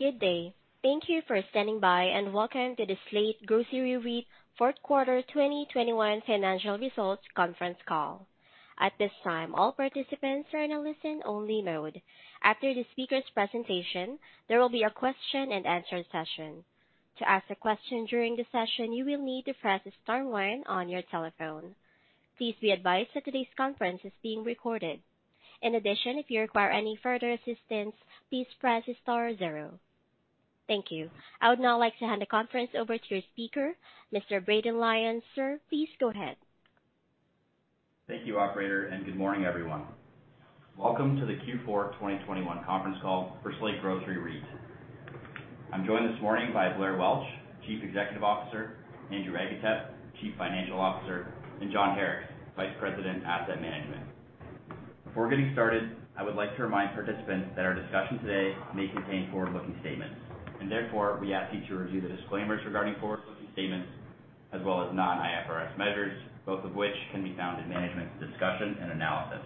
Good day. Thank you for standing by, and welcome to the Slate Grocery REIT Fourth Quarter 2021 Financial Results Conference Call. At this time, all participants are in a listen-only mode. After the speaker's presentation, there will be a question-and-answer session. To ask a question during the session, you will need to press star one on your telephone. Please be advised that today's conference is being recorded. In addition, if you require any further assistance, please press star zero. Thank you. I would now like to hand the conference over to your speaker, Mr. Braden Lyons. Sir, please go ahead. Thank you, operator, and good morning, everyone. Welcome to the Q4 2021 conference call for Slate Grocery REIT. I'm joined this morning by Blair Welch, Chief Executive Officer; Andrew Agatep, Chief Financial Officer; and John Harricks, Vice President, Asset Management. Before getting started, I would like to remind participants that our discussion today may contain forward-looking statements. Therefore, we ask you to review the disclaimers regarding forward-looking statements as well as non-IFRS measures, both of which can be found in management's discussion and analysis.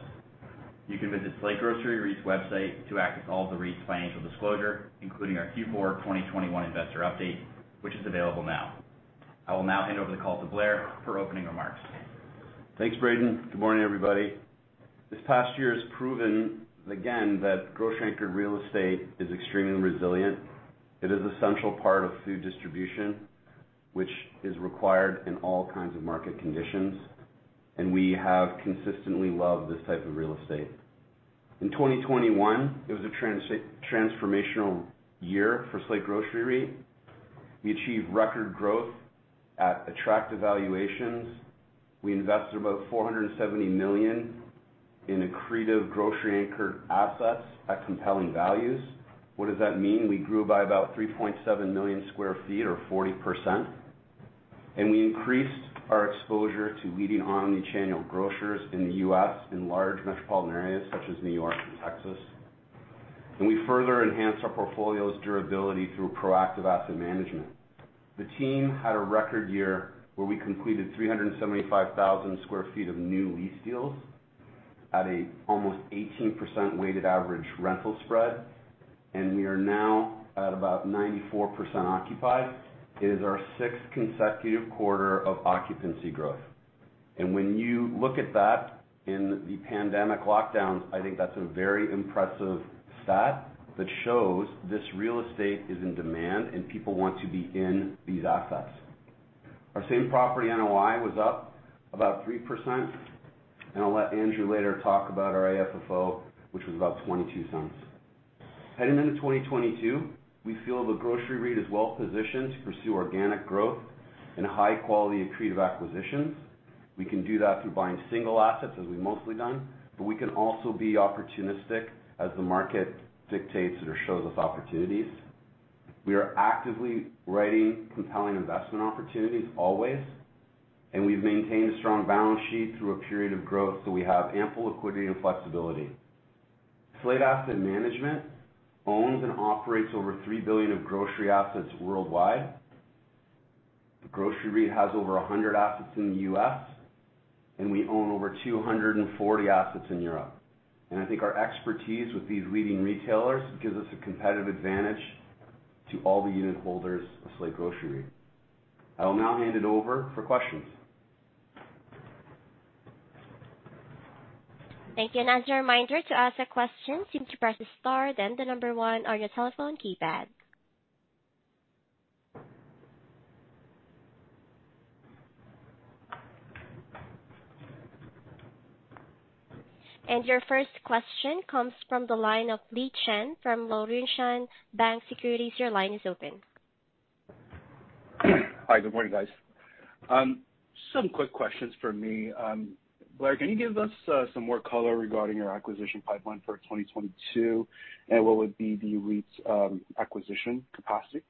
You can visit Slate Grocery REIT's website to access all of the REIT's financial disclosure, including our Q4 2021 investor update, which is available now. I will now hand over the call to Blair for opening remarks. Thanks, Braden. Good morning, everybody. This past year has proven again that grocery-anchored real estate is extremely resilient. It is an essential part of food distribution, which is required in all kinds of market conditions, and we have consistently loved this type of real estate. In 2021, it was a transformational year for Slate Grocery REIT. We achieved record growth at attractive valuations. We invested about $470 million in accretive grocery anchor assets at compelling values. What does that mean? We grew by about 3.7 million sq ft or 40%, and we increased our exposure to leading omnichannel grocers in the U.S. in large metropolitan areas such as New York and Texas. We further enhanced our portfolio's durability through proactive asset management. The team had a record year where we completed 375,000 sq ft of new lease deals at almost 18% weighted average rental spread, and we are now at about 94% occupied. It is our sixth consecutive quarter of occupancy growth. When you look at that in the pandemic lockdowns, I think that's a very impressive stat that shows this real estate is in demand and people want to be in these assets. Our same-property NOI was up about 3%, and I'll let Andrew later talk about our AFFO, which was about $0.22. Heading into 2022, we feel the Grocery REIT is well-positioned to pursue organic growth and high-quality accretive acquisitions. We can do that through buying single assets, as we've mostly done, but we can also be opportunistic as the market dictates or shows us opportunities. We are actively writing compelling investment opportunities always, and we've maintained a strong balance sheet through a period of growth, so we have ample liquidity and flexibility. Slate Asset Management owns and operates over $3 billion of grocery assets worldwide. The Grocery REIT has over 100 assets in the U.S., and we own over 240 assets in Europe. I think our expertise with these leading retailers gives us a competitive advantage to all the unitholders of Slate Grocery REIT. I will now hand it over for questions. Thank you. As a reminder, to ask a question, simply press star then one on your telephone keypad. Your first question comes from the line of Liyan Chen from Laurentian Bank Securities. Your line is open. Hi. Good morning, guys. Some quick questions from me. Blair, can you give us some more color regarding your acquisition pipeline for 2022, and what would be the REIT's acquisition capacity?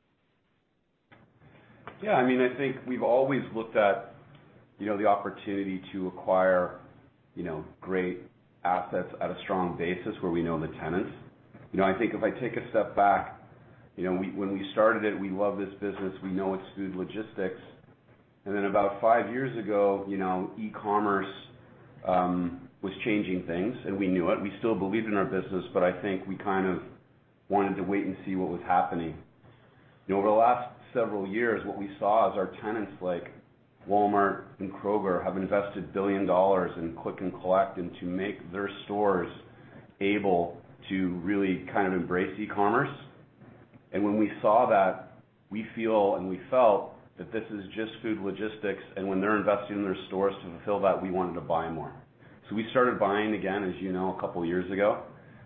Yeah, I mean, I think we've always looked at, you know, the opportunity to acquire, you know, great assets at a strong basis where we know the tenants. You know, I think if I take a step back, you know, when we started it, we love this business. We know it's food logistics. Then about five years ago, you know, e-commerce was changing things, and we knew it. We still believed in our business, but I think we kind of wanted to wait and see what was happening. You know, over the last several years, what we saw is our tenants, like Walmart and Kroger, have invested billions of dollars in click and collect and to make their stores able to really kind of embrace e-commerce. When we saw that, we feel and we felt that this is just full logistics, and when they're investing in their stores to fulfill that, we wanted to buy more. We started buying again, as you know, a couple years ago,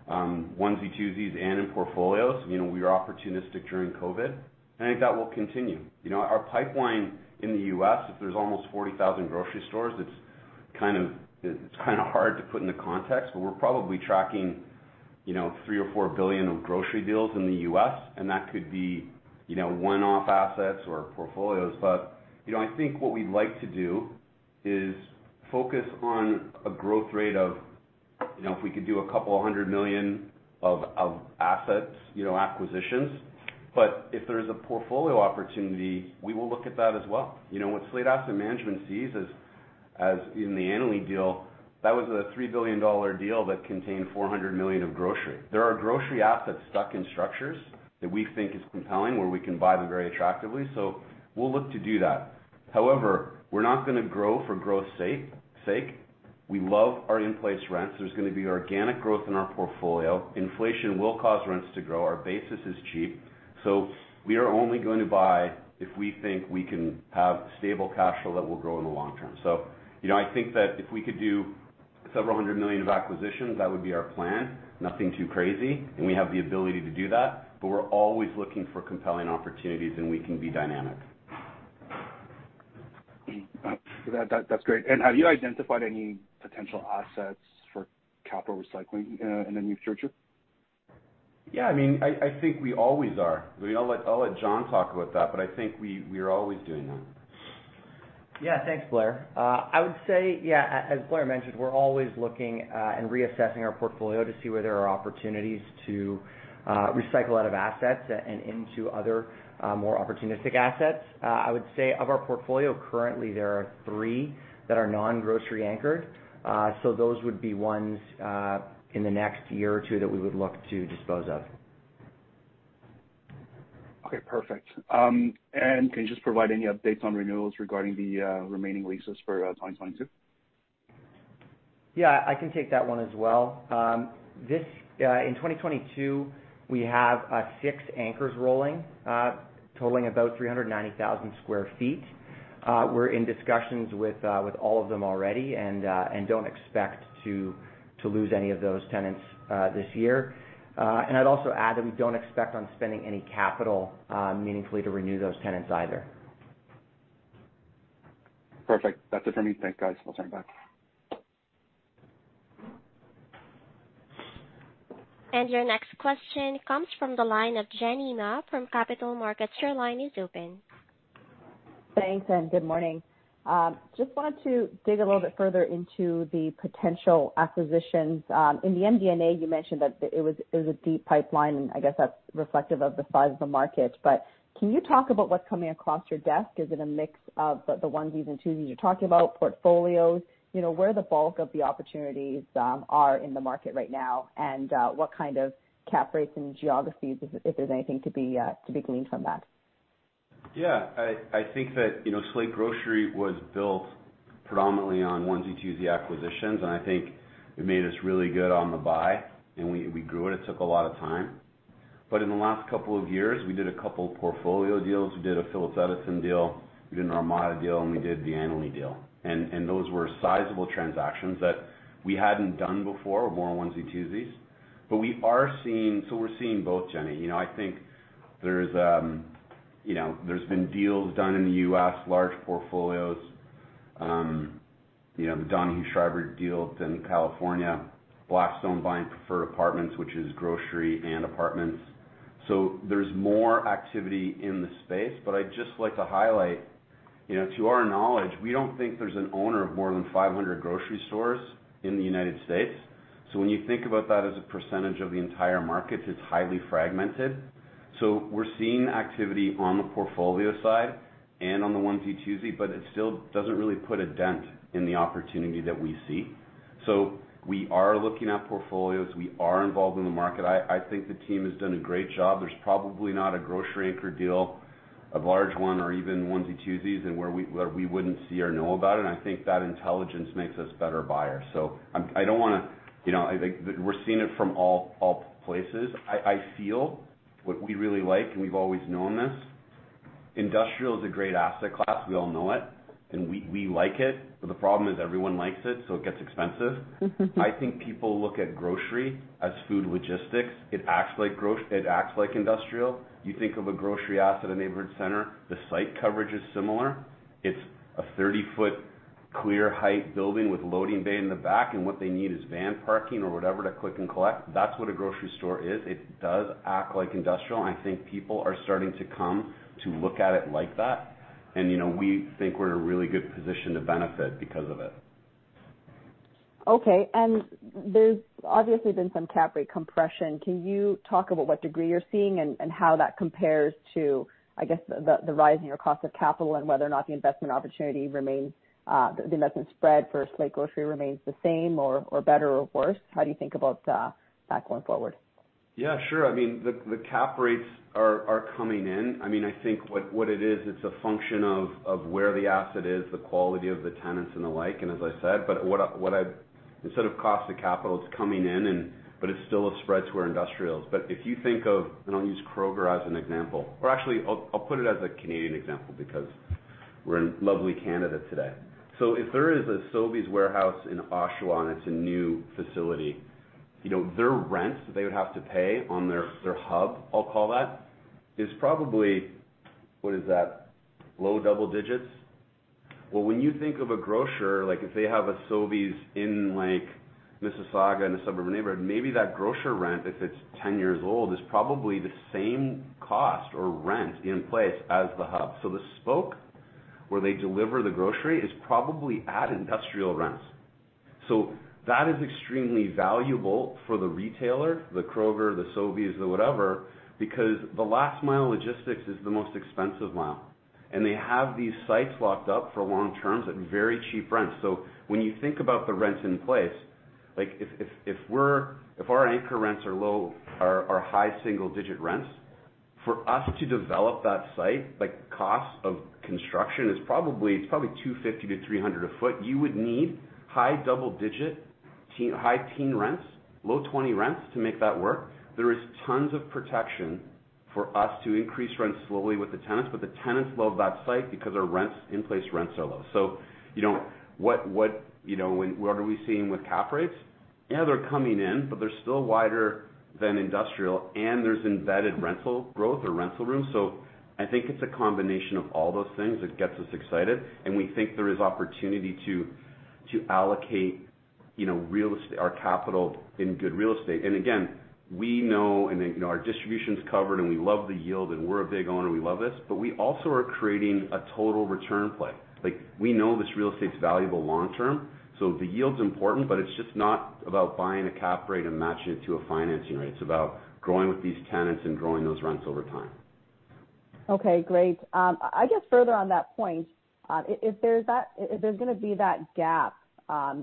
onesie-twosies and in portfolios. You know, we were opportunistic during COVID, and I think that will continue. You know, our pipeline in the U.S., if there's almost 40,000 grocery stores, it's kind of hard to put into context, but we're probably tracking, you know, $3 billion-$4 billion of grocery deals in the U.S., and that could be, you know, one-off assets or portfolios. You know, I think what we'd like to do is focus on a growth rate of, you know, if we could do $200 million of assets, you know, acquisitions. If there's a portfolio opportunity, we will look at that as well. You know, what Slate Asset Management sees is, as in the Annaly deal, that was a $3 billion deal that contained $400 million of grocery. There are grocery assets stuck in structures that we think is compelling, where we can buy them very attractively. We'll look to do that. However, we're not gonna grow for growth's sake. We love our in-place rents. There's gonna be organic growth in our portfolio. Inflation will cause rents to grow. Our basis is cheap, so we are only going to buy if we think we can have stable cash flow that will grow in the long term. You know, I think that if we could do several $100 million of acquisitions, that would be our plan. Nothing too crazy, and we have the ability to do that, but we're always looking for compelling opportunities, and we can be dynamic. That’s great. Have you identified any potential assets for capital recycling in the new search? Yeah. I mean, I think we always are. I'll let John talk about that, but I think we are always doing that. Thanks, Blair. I would say, yeah, as Blair mentioned, we're always looking and reassessing our portfolio to see where there are opportunities to recycle out of assets and into other more opportunistic assets. I would say of our portfolio currently, there are three that are non-grocery-anchored. Those would be ones in the next year or two that we would look to dispose of. Okay. Perfect. Can you just provide any updates on renewals regarding the remaining leases for 2022? Yeah, I can take that one as well. In 2022, we have 6 anchors rolling, totaling about 390,000 sq ft. We're in discussions with all of them already, and don't expect to lose any of those tenants this year. I'd also add that we don't expect on spending any capital meaningfully to renew those tenants either. Perfect. That's it for me. Thanks, guys. I'll send it back. Your next question comes from the line of Jenny Ma from BMO Capital Markets. Your line is open. Thanks, and good morning. Just wanted to dig a little bit further into the potential acquisitions. In the MD&A, you mentioned that it was a deep pipeline, and I guess that's reflective of the size of the market. Can you talk about what's coming across your desk? Is it a mix of the onesie-twosies you're talking about, portfolios? You know, where the bulk of the opportunities are in the market right now and what kind of cap rates and geographies, if there's anything to be gleaned from that? Yeah. I think that, you know, Slate Grocery was built predominantly on onesie-twosie acquisitions, and I think it made us really good on the buy, and we grew it. It took a lot of time. In the last couple of years, we did a couple portfolio deals. We did a Phillips Edison deal, we did an Armada deal, and we did the Annaly deal. Those were sizable transactions that we hadn't done before. More onesie-twosies. We are seeing both, Jenny. You know, I think there's, you know, there's been deals done in the U.S., large portfolios. You know, the Donahue Schriber deal in California. Blackstone buying Preferred Apartment Communities, which is grocery and apartments. There's more activity in the space. I'd just like to highlight, you know, to our knowledge, we don't think there's an owner of more than 500 grocery stores in the United States. When you think about that as a percentage of the entire market, it's highly fragmented. We're seeing activity on the portfolio side and on the onesie-twosie, but it still doesn't really put a dent in the opportunity that we see. We are looking at portfolios. We are involved in the market. I think the team has done a great job. There's probably not a grocery anchor deal, a large one or even onesie-twosies, where we wouldn't see or know about it, and I think that intelligence makes us better buyers. You know, I think we're seeing it from all places. I feel what we really like, and we've always known this, industrial is a great asset class. We all know it, and we like it. But the problem is everyone likes it, so it gets expensive. I think people look at grocery as food logistics. It acts like industrial. You think of a grocery asset, a neighborhood center, the site coverage is similar. It's a 30-foot clear height building with loading bay in the back, and what they need is van parking or whatever to click and collect. That's what a grocery store is. It does act like industrial, and I think people are starting to come to look at it like that. You know, we think we're in a really good position to benefit because of it. Okay. There's obviously been some cap rate compression. Can you talk about what degree you're seeing and how that compares to, I guess, the rise in your cost of capital and whether or not the investment opportunity remains the investment spread for Slate Grocery remains the same or better or worse? How do you think about that going forward? Yeah, sure. I mean, the cap rates are coming in. I mean, I think what it is, it's a function of where the asset is, the quality of the tenants and the like. Instead of cost of capital, it's coming in, but it's still a spread to our industrials. If you think of, and I'll use Kroger as an example, or actually I'll put it as a Canadian example because we're in lovely Canada today. If there is a Sobeys warehouse in Oshawa, and it's a new facility, you know, their rent that they would have to pay on their hub, I'll call that, is probably, what is that? Low double digits. Well, when you think of a grocer, like if they have a Sobeys in like Mississauga in a suburban neighborhood, maybe that grocer rent, if it's 10 years old, is probably the same cost or rent in place as the hub. The spoke where they deliver the grocery is probably at industrial rents. That is extremely valuable for the retailer, the Kroger, the Sobeys or whatever, because the last mile logistics is the most expensive mile. They have these sites locked up for long-term at very cheap rents. When you think about the rents in place, like if our anchor rents are low, are high single-digit rents, for us to develop that site, like costs of construction is probably $250-$300 a sq ft. You would need high double-digit, teen, high-teen rents, low-20 rents to make that work. There is tons of protection for us to increase rents slowly with the tenants, but the tenants love that site because our rents, in-place rents are low. You know, what are we seeing with cap rates? Yeah, they're coming in, but they're still wider than industrial and there's embedded rental growth or rental room. I think it's a combination of all those things that gets us excited, and we think there is opportunity to allocate, you know, our capital in good real estate. Again, we know, you know, our distribution's covered, and we love the yield, and we're a big owner, we love this, but we also are creating a total return play. Like we know this real estate's valuable long term, so the yield's important, but it's just not about buying a cap rate and matching it to a financing rate. It's about growing with these tenants and growing those rents over time. Okay, great. I guess further on that point, if there's gonna be that gap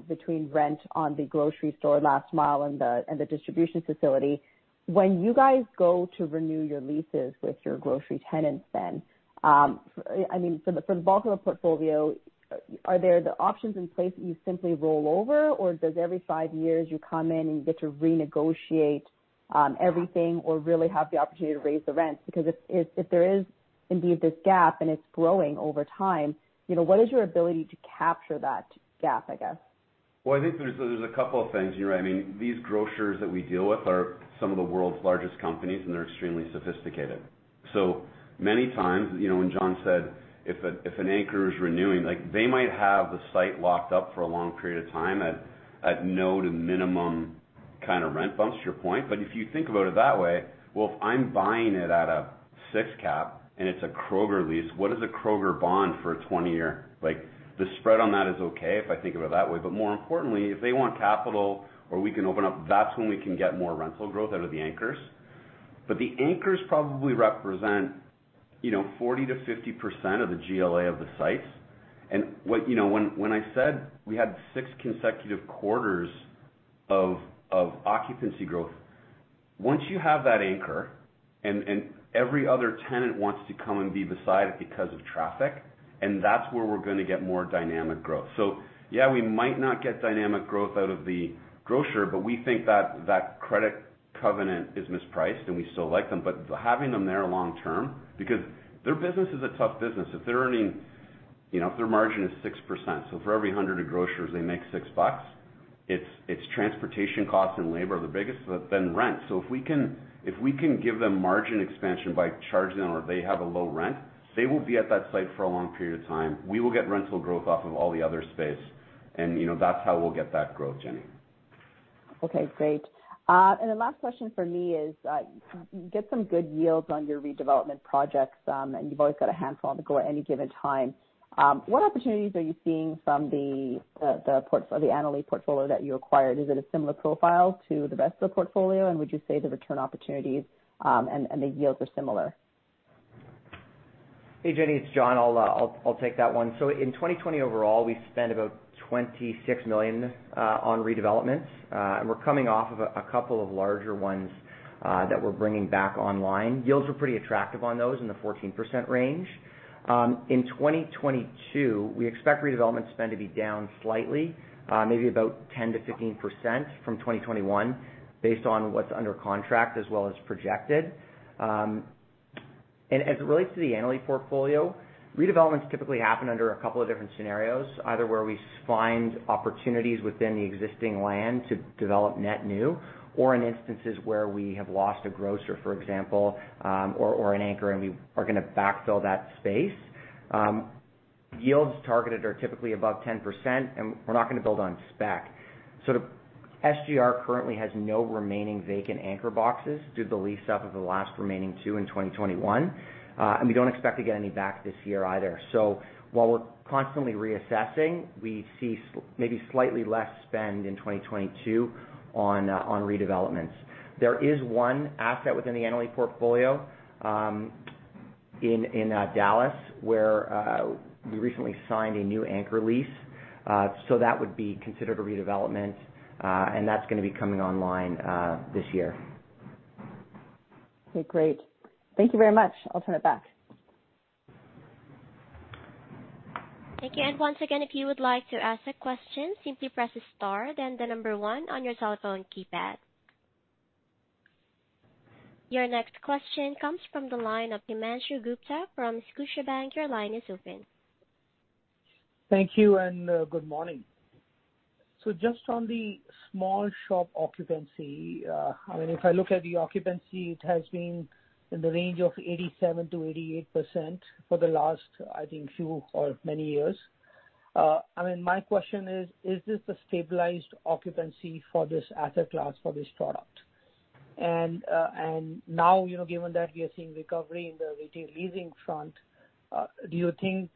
between rent on the grocery store last mile and the distribution facility, when you guys go to renew your leases with your grocery tenants then, I mean, for the bulk of the portfolio, are there the options in place that you simply roll over? Or does every five years you come in and you get to renegotiate everything or really have the opportunity to raise the rents? Because if there is indeed this gap and it's growing over time, you know, what is your ability to capture that gap, I guess? Well, I think there's a couple of things here. I mean, these grocers that we deal with are some of the world's largest companies, and they're extremely sophisticated. Many times, you know, when John said if an anchor is renewing, like they might have the site locked up for a long period of time at no to minimum kind of rent bumps to your point. If you think about it that way, well, if I'm buying it at a 6 cap and it's a Kroger lease, what is a Kroger bond for a 20-year? Like, the spread on that is okay if I think about it that way. More importantly, if they want capital or we can open up, that's when we can get more rental growth out of the anchors. The anchors probably represent, you know, 40%-50% of the GLA of the sites. What, you know, when I said we had 6 consecutive quarters of occupancy growth, once you have that anchor and every other tenant wants to come and be beside it because of traffic, and that's where we're gonna get more dynamic growth. Yeah, we might not get dynamic growth out of the grocer, but we think that that credit covenant is mispriced and we still like them. Having them there long-term, because their business is a tough business. If they're earning, you know, if their margin is 6%. For every 100 of grocers they make $6, it's transportation costs and labor are the biggest, but then rent. If we can give them margin expansion by charging them or if they have a low rent, they will be at that site for a long period of time. We will get rental growth off of all the other space. You know, that's how we'll get that growth, Jenny. Okay, great. The last question for me is you get some good yields on your redevelopment projects, and you've always got a handful on the go at any given time. What opportunities are you seeing from the Annaly portfolio that you acquired? Is it a similar profile to the rest of the portfolio? Would you say the return opportunities, and the yields are similar? Hey, Jenny, it's John. I'll take that one. In 2020 overall, we spent about $26 million on redevelopments. We're coming off of a couple of larger ones that we're bringing back online. Yields were pretty attractive on those in the 14% range. In 2022, we expect redevelopment spend to be down slightly, maybe about 10%-15% from 2021 based on what's under contract as well as projected. As it relates to the Annaly portfolio, redevelopments typically happen under a couple of different scenarios. Either where we find opportunities within the existing land to develop net new or in instances where we have lost a grocer, for example, or an anchor and we are gonna backfill that space. Yields targeted are typically above 10%, and we're not gonna build on spec. SGR currently has no remaining vacant anchor boxes due to the lease-up of the last remaining 2 in 2021. We don't expect to get any back this year either. While we're constantly reassessing, we see maybe slightly less spend in 2022 on redevelopments. There is one asset within the Annaly portfolio in Dallas, where we recently signed a new anchor lease. That would be considered a redevelopment. That's gonna be coming online this year. Okay, great. Thank you very much. I'll turn it back. Thank you. Once again, if you would like to ask a question, simply press star then the number one on your telephone keypad. Your next question comes from the line of Himanshu Gupta from Scotiabank. Your line is open. Thank you and good morning. Just on the small shop occupancy, I mean, if I look at the occupancy, it has been in the range of 87%-88% for the last, I think, few or many years. I mean, my question is: Is this a stabilized occupancy for this asset class, for this product? And now, you know, given that we are seeing recovery in the retail leasing front, do you think,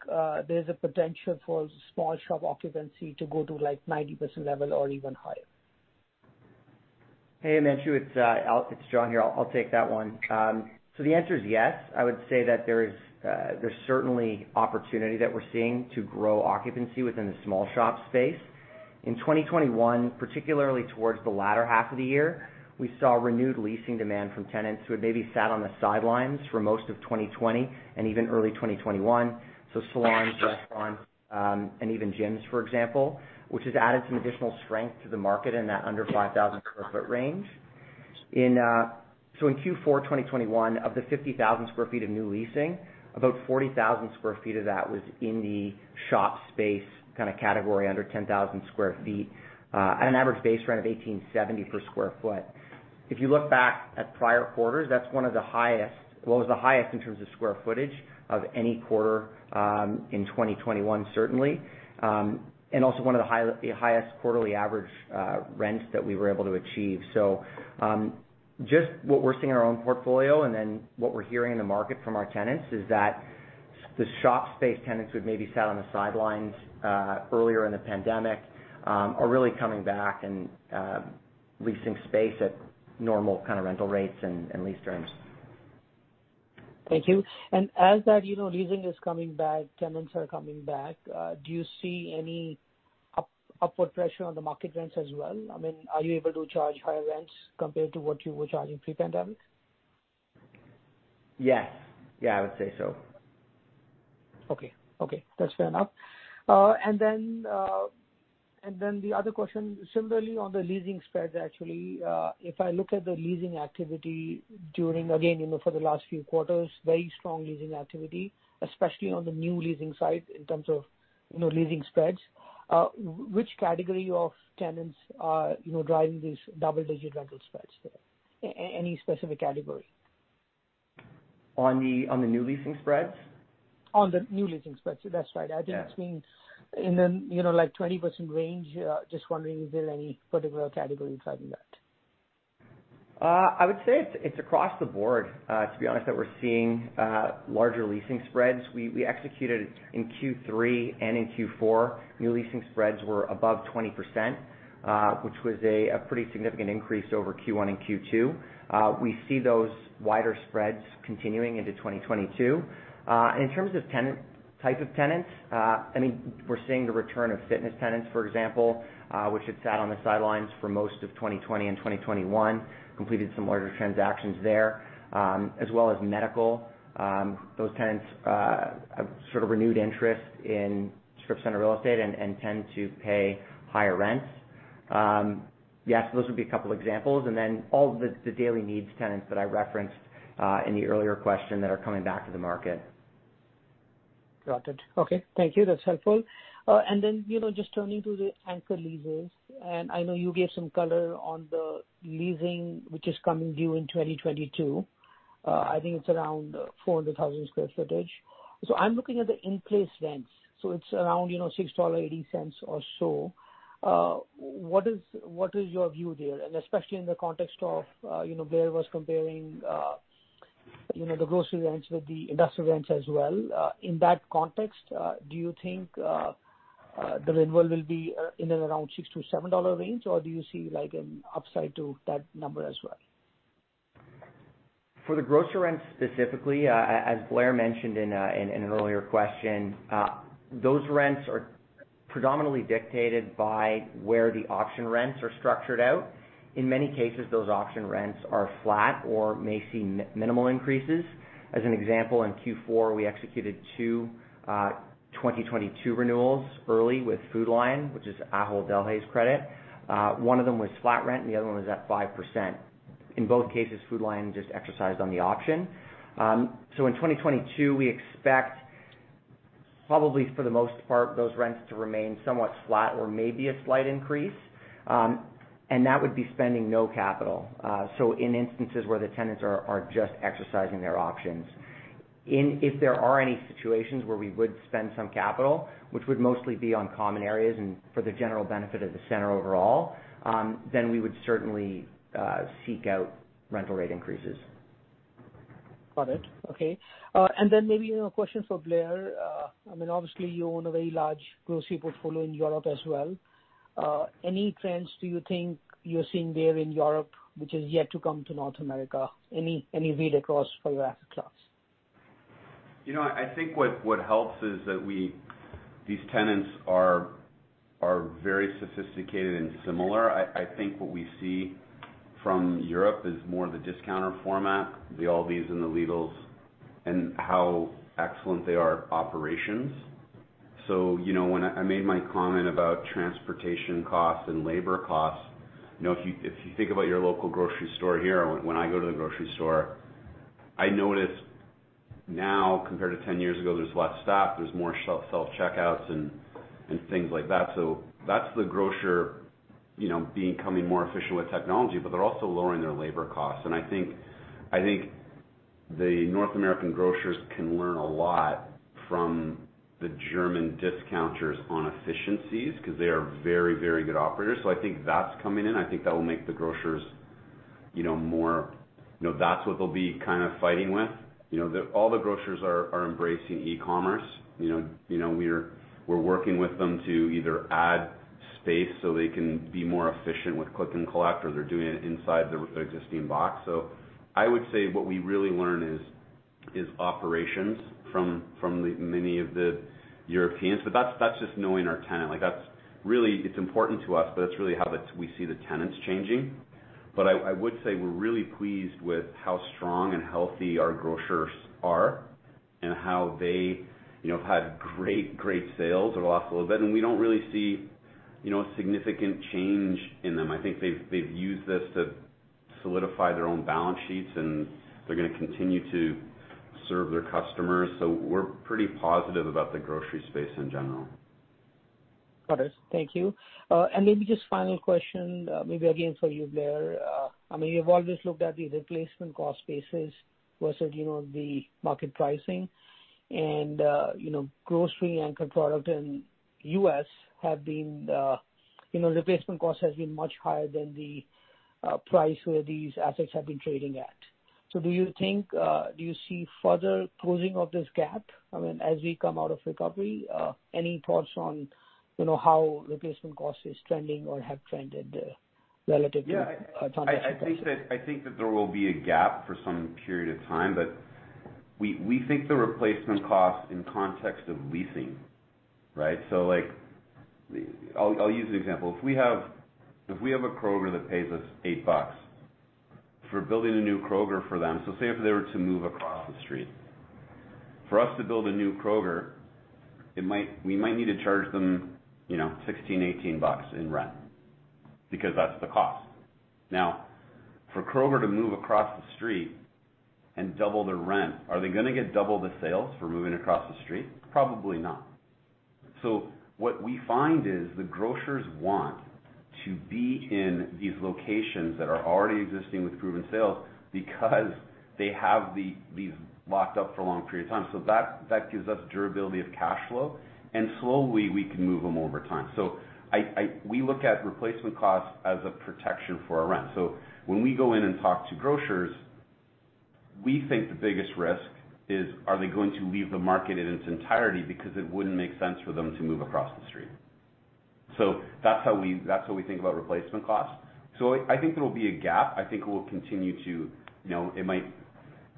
there's a potential for small shop occupancy to go to, like, 90% level or even higher? Hey, Himanshu, it's John here. I'll take that one. The answer is yes. I would say that there is, there's certainly opportunity that we're seeing to grow occupancy within the small shop space. In 2021, particularly towards the latter half of the year, we saw renewed leasing demand from tenants who had maybe sat on the sidelines for most of 2020 and even early 2021. Salons, restaurants, and even gyms, for example, which has added some additional strength to the market in that under 5,000 sq ft range. In Q4 of 2021, of the 50,000 sq ft of new leasing, about 40,000 sq ft of that was in the shop space kinda category under 10,000 sq ft, at an average base rent of $18.70 per sq ft. If you look back at prior quarters, it was the highest in terms of square footage of any quarter in 2021 certainly, and also the highest quarterly average rents that we were able to achieve. Just what we're seeing in our own portfolio and then what we're hearing in the market from our tenants is that the shop space tenants who had maybe sat on the sidelines earlier in the pandemic are really coming back and leasing space at normal kinda rental rates and lease terms. Thank you. As that, you know, leasing is coming back, tenants are coming back, do you see any upward pressure on the market rents as well? I mean, are you able to charge higher rents compared to what you were charging pre-pandemic? Yes. Yeah, I would say so. Okay. Okay, that's fair enough. The other question, similarly on the leasing spreads actually, if I look at the leasing activity during, again, you know, for the last few quarters, very strong leasing activity, especially on the new leasing side in terms of, you know, leasing spreads. Which category of tenants are, you know, driving these double-digit rental spreads there? Any specific category? On the new leasing spreads? On the new leasing spreads. That's right. Yeah. I think it's been in the, you know, like, 20% range. Just wondering if there are any particular categories driving that. I would say it's across the board, to be honest, that we're seeing larger leasing spreads. We executed in Q3 and in Q4, new leasing spreads were above 20%, which was a pretty significant increase over Q1 and Q2. We see those wider spreads continuing into 2022. In terms of tenant type of tenants, I mean, we're seeing the return of fitness tenants, for example, which had sat on the sidelines for most of 2020 and 2021. Completed some larger transactions there. As well as medical. Those tenants have sort of renewed interest in strip center real estate and tend to pay higher rents. Yeah, so those would be a couple examples. All the daily needs tenants that I referenced in the earlier question that are coming back to the market. Got it. Okay. Thank you. That's helpful. And then, you know, just turning to the anchor leases, and I know you gave some color on the leasing which is coming due in 2022. I think it's around 400,000 sq ft. So I'm looking at the in-place rents, so it's around, you know, $6.80 or so. What is your view there? And especially in the context of, you know, Blair was comparing, you know, the grocery rents with the industrial rents as well. In that context, do you think the renewal will be in and around $6-$7 range, or do you see, like, an upside to that number as well? For the grocery rents specifically, as Blair mentioned in an earlier question, those rents are predominantly dictated by where the option rents are structured out. In many cases, those option rents are flat or may see minimal increases. As an example, in Q4, we executed two 2022 renewals early with Food Lion, which is Ahold Delhaize credit. One of them was flat rent, and the other one was at 5%. In both cases, Food Lion just exercised on the option. In 2022, we expect probably for the most part, those rents to remain somewhat flat or maybe a slight increase. That would be spending no capital, so in instances where the tenants are just exercising their options. If there are any situations where we would spend some capital, which would mostly be on common areas and for the general benefit of the center overall, then we would certainly seek out rental rate increases. Got it. Okay. Maybe a question for Blair. I mean, obviously you own a very large grocery portfolio in Europe as well. Any trends do you think you're seeing there in Europe which is yet to come to North America? Any read across for your asset class? You know, I think what helps is that these tenants are very sophisticated and similar. I think what we see from Europe is more the discounter format, the ALDIs and the Lidls, and how excellent they are at operations. You know, when I made my comment about transportation costs and labor costs, you know, if you think about your local grocery store here, when I go to the grocery store, I notice now compared to 10 years ago, there's less staff, there's more self-checkouts and things like that. That's the grocer becoming more efficient with technology, but they're also lowering their labor costs. I think the North American grocers can learn a lot from the German discounters on efficiencies because they are very good operators. I think that's coming in. I think that will make the grocers, you know, more. You know, that's what they'll be kind of fighting with. You know, all the grocers are embracing e-commerce. You know, we're working with them to either add space so they can be more efficient with click and collect or they're doing it inside their existing box. I would say what we really learn is operations from the many of the Europeans. That's just knowing our tenant. Like that's really it's important to us, but that's really how we see the tenants changing. I would say we're really pleased with how strong and healthy our grocers are and how they, you know, have had great sales over the last little bit. We don't really see, you know, a significant change in them. I think they've used this to solidify their own balance sheets, and they're gonna continue to serve their customers. We're pretty positive about the grocery space in general. Got it. Thank you. Maybe just final question, maybe again for you, Blair. I mean, you've always looked at the replacement cost basis versus, you know, the market pricing. You know, grocery-anchored product in U.S. have been, you know, replacement cost has been much higher than the price where these assets have been trading at. Do you think, do you see further closing of this gap, I mean, as we come out of recovery? Any thoughts on, you know, how replacement cost is trending or have trended relatively, from a historical- Yeah, I think that there will be a gap for some period of time, but we think the replacement cost in context of leasing, right? So, like, I'll use an example. If we have a Kroger that pays us $8 for building a new Kroger for them, so say if they were to move across the street. For us to build a new Kroger, we might need to charge them, you know, $16-$18 in rent because that's the cost. Now, for Kroger to move across the street and double the rent, are they gonna get double the sales for moving across the street? Probably not. What we find is the grocers want to be in these locations that are already existing with proven sales because they have these locked up for a long period of time. That gives us durability of cash flow, and slowly we can move them over time. We look at replacement costs as a protection for our rent. When we go in and talk to grocers, we think the biggest risk is, are they going to leave the market in its entirety because it wouldn't make sense for them to move across the street. That's how we think about replacement costs. I think there will be a gap. I think it will continue to. You know, it might,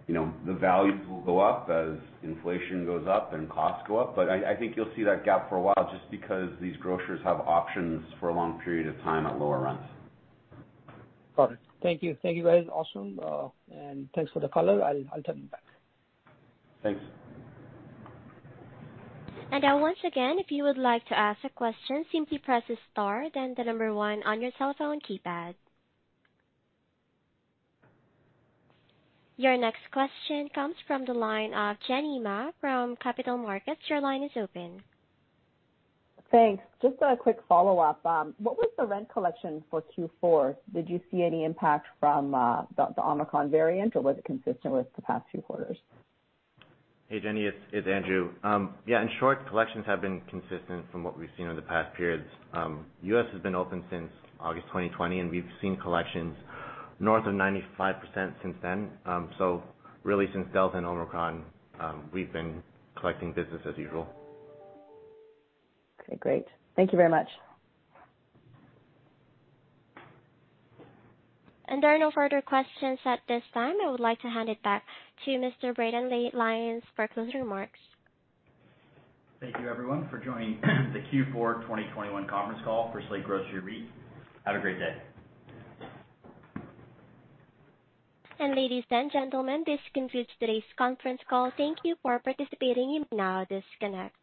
you know, the values will go up as inflation goes up and costs go up. I think you'll see that gap for a while just because these grocers have options for a long period of time at lower rents. Got it. Thank you. Thank you, guys. Awesome. Thanks for the color. I'll turn it back. Thanks. Once again, if you would like to ask a question, simply press star then one on your cellphone keypad. Your next question comes from the line of Jenny Ma from BMO Capital Markets. Your line is open. Thanks. Just a quick follow-up. What was the rent collection for Q4? Did you see any impact from the Omicron variant, or was it consistent with the past two quarters? Hey, Jenny, it's Andrew. Yeah, in short, collections have been consistent from what we've seen over the past periods. U.S. has been open since August 2020, and we've seen collections north of 95% since then. Really since Delta and Omicron, we've been collecting business as usual. Okay, great. Thank you very much. There are no further questions at this time. I would like to hand it back to Mr. Braden Lyons for closing remarks. Thank you everyone for joining the Q4 2021 conference call for Slate Grocery REIT. Have a great day. Ladies and gentlemen, this concludes today's conference call. Thank you for participating. You may now disconnect.